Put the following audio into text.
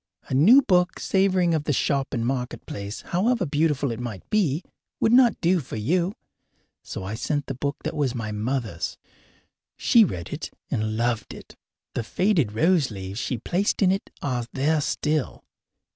A new book, savouring of the shop and marketplace, however beautiful it might be, would not do for you. So I sent the book that was my mother's. She read it and loved it the faded rose leaves she placed in it are there still.